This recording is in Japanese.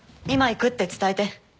今行くって伝えて。